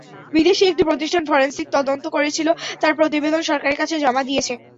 বিদেশি একটি প্রতিষ্ঠান ফরেনসিক তদন্ত করেছিল, তার প্রতিবেদন সরকারের কাছে জমা দিয়েছে।